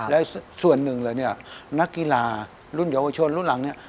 และส่วนหนึ่งนักกีฬารุ่นเยาวชนรุ่นหลัง